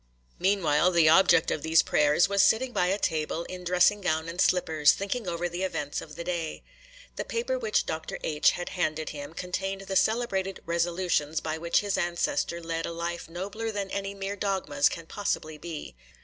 Meanwhile, the object of these prayers was sitting by a table in dressing gown and slippers, thinking over the events of the day. The paper which Dr. H. had handed him contained the celebrated 'Resolutions' by which his ancestor led a life nobler than any mere dogmas can possibly be.